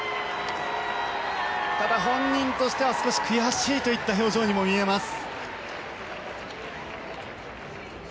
ただ本人としては少し悔しいといった表情にも見えます。